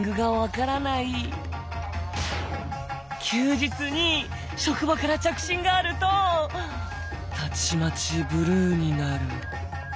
「休日に職場から着信があるとたちまちブルーになる」。